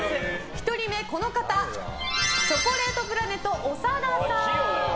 １人目はチョコレートプラネット長田さん。